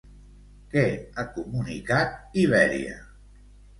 Què ha comunicat Ibèria?